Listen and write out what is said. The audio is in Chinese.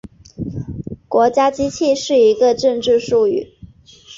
国家机器是一个政治术语。